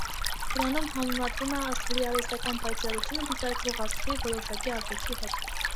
Դրանում համեմատվում է աստղերի արհեստական պայծառությունը դիտարկվող աստղի որոշակի արժեքի հետ։